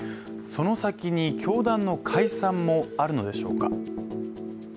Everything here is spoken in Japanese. その先に教団の解散もあるのでしょうか。